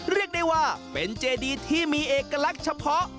เรียกได้ว่าเป็นเจดีที่มีเอกลักษณ์เฉพาะ